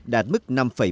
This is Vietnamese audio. đạt mức năm một mươi hai